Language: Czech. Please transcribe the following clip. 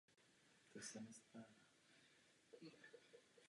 Na škole oba kdysi studovali.